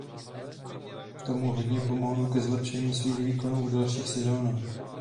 To mu hodně pomohlo ke zlepšení svých výkonů v dalších sezonách.